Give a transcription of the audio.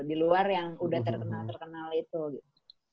di luar yang udah terkenal terkenal itu gitu